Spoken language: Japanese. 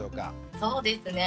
そうですね